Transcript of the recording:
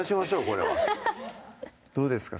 これはどうですか？